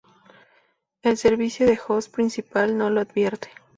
El servicio de host principal no lo advierte.